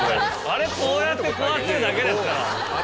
あれこうやってこうやってるだけですから。